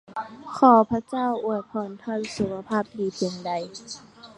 ขอพระเจ้าอวยพรท่านสุขภาพดีเพียงใด!